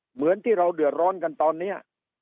เหมือนที่เราเดือดร้อนกันตอนนี้